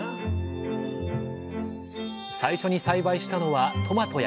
最初に栽培したのはトマトやきゅうりなど。